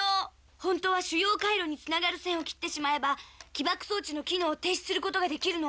「ホントは主要回路につながる線を切ってしまえば起爆装置の機能を停止することができるの」